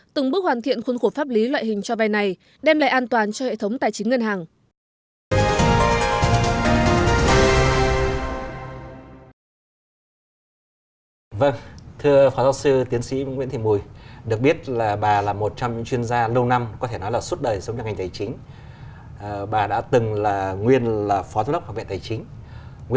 từng bước hoàn thiện khuôn khổ pháp lý loại hình cho vay này đem lại an toàn cho hệ thống tài chính ngân hàng